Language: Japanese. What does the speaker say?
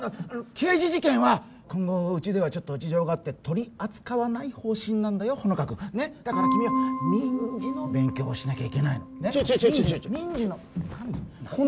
刑事事件は今後うちではちょっと事情があって取り扱わない方針なんだ穂乃果君ねっだから君は民事の勉強をしなきゃいけないのちょいちょい民事の何？